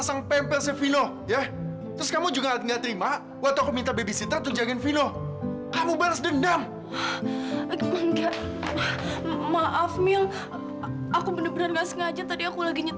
sampai jumpa di video selanjutnya